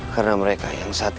karena mereka yang satu